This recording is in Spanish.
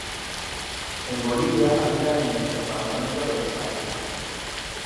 En Bolivia habitan en el departamento de Tarija.